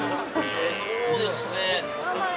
えー、そうですね。